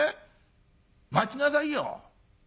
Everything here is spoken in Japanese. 待ちなさいよ」。